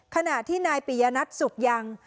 ขณะที่นายปิยนัทสุขยัง